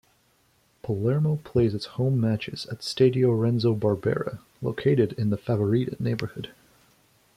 Palermo plays its home matches at Stadio Renzo Barbera, located in the "Favorita" neighbourhood.